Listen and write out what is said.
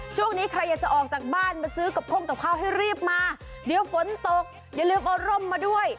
ช่วงนี้ใครอยากจะออกจากบ้านมาซื้อกับพ่งกับข้าวให้รีบมาเดี๋ยวฝนตกอย่าลืมเอาร่มมาด้วย